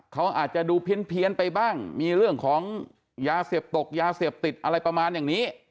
เขาอาจจะดูเพี้ยนไปบ้างมีเรื่องของยาเสียบตกยาเสพติดอะไรประมาณอย่างนี้